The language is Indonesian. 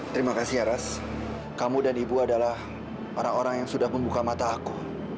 terima kasih ya ras kamu dan ibu adalah orang orang yang sudah membuka mata aku